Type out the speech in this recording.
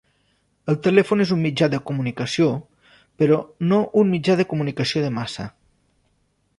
El telèfon és un mitjà de comunicació, però no un mitjà de comunicació de massa.